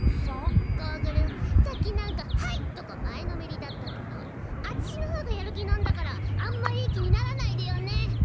ゴーグルさっきなんか「はい！」とか前のめりだったけどあちしのほうがやる気なんだからあんまりいい気にならないでよね！